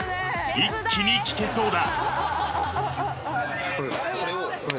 ［一気に聞けそうだ］